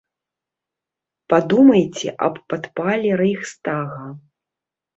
Падумайце аб падпале рэйхстага.